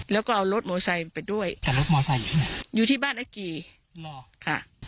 แล้วก็เอารถมอไซค์ไปด้วยแต่รถมอไซค์อยู่ที่ไหนอยู่ที่บ้านไอหมอค่ะ